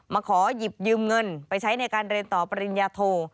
มาขอหยิบยืมเงินไปใช้ในการเรียนต่อปริญญาโท